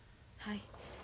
はい。